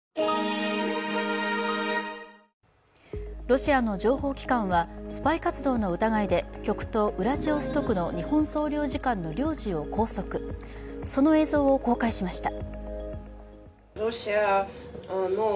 ロシアの情報機関はスパイ活動の疑いで極東ウラジオストクの日本総領事館の領事を拘束、その映像を公開しました。